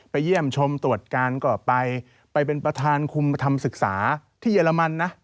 เยี่ยมชมตรวจการก็ไปไปเป็นประธานคุมประธรรมศึกษาที่เยอรมันนะ